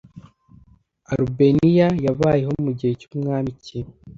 Alberuni yabayeho mugihe cyumwami ki